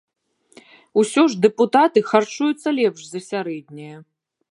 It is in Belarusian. Усё ж дэпутаты харчуюцца лепш за сярэдняе.